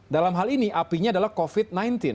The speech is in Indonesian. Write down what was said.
dalam hal ini apinya adalah covid sembilan belas